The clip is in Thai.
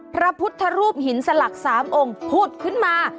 พระพุทธรูปหินสลัก๓องค์ผุดขึ้นมา